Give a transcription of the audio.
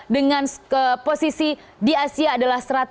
dengan posisi di asia adalah satu ratus lima